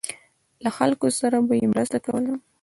له خلکو سره به یې مرسته کوله.